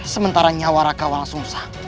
sementara nyawarakawang sungsa